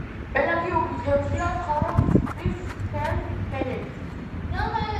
პელაგიური თევზია, ცხოვრობს წყლის სქელ ფენებში.